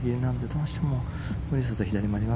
どうしても。